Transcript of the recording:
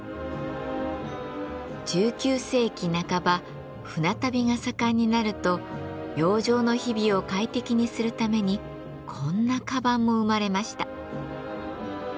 １９世紀半ば船旅が盛んになると洋上の日々を快適にするためにこんな鞄も生まれました。